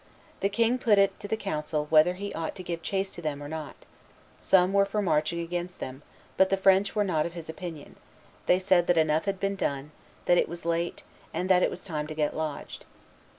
The king put it to the council whether he ought to give chase to them or not; some were for marching against them; but the French were not of this opinion; they said that enough had been done, that it was late, and that it was time to get lodged.